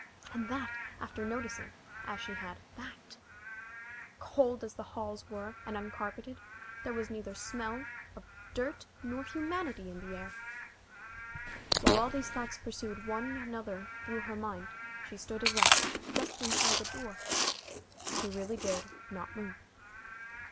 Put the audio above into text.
And that after noticing as she had that, cold as the halls were and uncarpeted, there was neither smell of dirt nor humanity in the air! While all these thoughts pursued one another through her mind she stood erect just inside the door. She really dared not move.